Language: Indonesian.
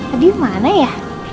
adi dimana ya